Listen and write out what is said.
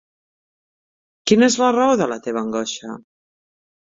Quina és la raó de la teva angoixa?